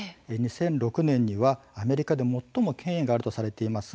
２００６年にはアメリカで最も権威があるとされています